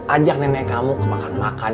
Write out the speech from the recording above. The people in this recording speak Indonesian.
ajak nenek kamu ke makan makan